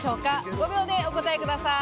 ５秒でお答えください。